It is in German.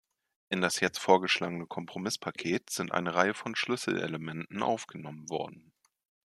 In das jetzt vorgeschlagene Kompromisspaket sind eine Reihe von Schlüsselelementen aufgenommen worden.